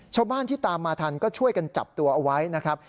ชาวบ้านที่ตามมาทันก็ช่วยกันจับตัวเอาไว้นะครับ